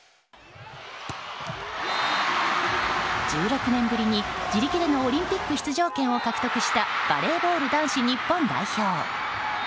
１６年ぶりに自力でのオリンピック出場権を獲得したバレーボール男子日本代表。